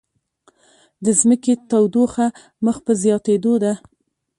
د ځمکې تودوخه مخ په زیاتیدو ده